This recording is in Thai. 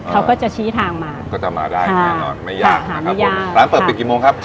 เขาก็จะชี้ทางมาก็จะมาได้อ่าแปลงอ่าไม่ยากไม่ยากหรือเปิดปีกกี่โมงครับ